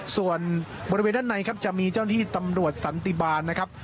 ส่วนบริเวณด้านในครับจะมีเจ้าหน้าที่ตำรวจสันติบาลนะครับ